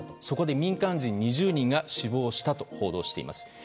そこで民間人２０人が死亡したと報道しています。